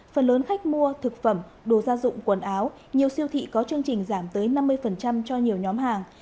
phần lớn khách mua thực phẩm đồ gia dụng quần áo nhiều siêu thị có chương trình giảm tới năm mươi cho nhiều nhóm hàng